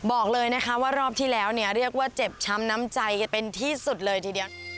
บอกเลยนะคะว่ารอบที่แล้วเนี่ยเรียกว่าเจ็บช้ำน้ำใจกันเป็นที่สุดเลยทีเดียว